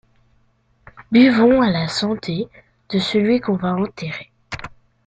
Buvons à la santé de celui qu’on va enterrer.